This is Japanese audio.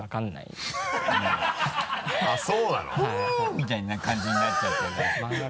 みたいな感じになっちゃうってことでしょ？